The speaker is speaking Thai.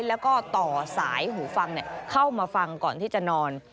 แล้วก็ต่อสายหูฟังเข้ามาฟังก่อนที่จะนอน